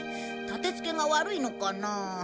立てつけが悪いのかな？